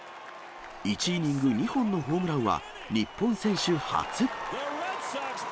１イニング２本のホームランは、日本選手初。